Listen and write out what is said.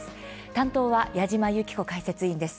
担当は、矢島ゆき子解説委員です。